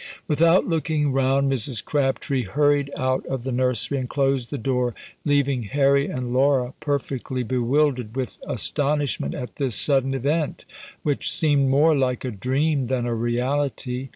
Without looking round, Mrs. Crabtree hurried out of the nursery and closed the door, leaving Harry and Laura perfectly bewildered with astonishment at this sudden event, which seemed more like a dream than a reality.